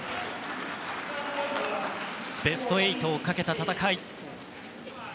ベスト８をかけた戦い。